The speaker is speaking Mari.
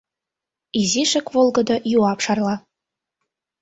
Изишак волгыдо юап шарла.